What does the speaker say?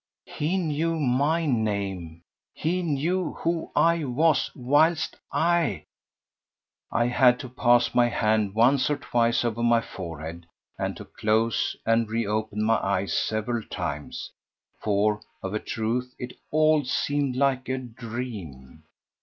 He knew my name, he knew who I was! whilst I ... I had to pass my hand once or twice over my forehead and to close and reopen my eyes several times, for, of a truth, it all seemed like a dream.